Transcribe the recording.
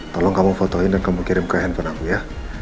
tolong kamu fotoin dan kamu kirim ke handphone aku ya